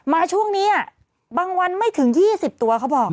มาช่วงนี้บางวันไม่ถึง๒๐ตัวเขาบอก